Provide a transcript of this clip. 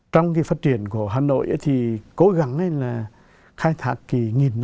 trong phát triển của hà nội thì cố gắng khai thác kỳ nghìn năm văn hóa